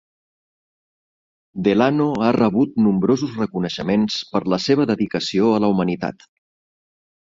Delano ha rebut nombrosos reconeixements per la seva dedicació a la humanitat.